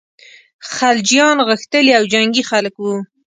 خلجیان غښتلي او جنګي خلک ول.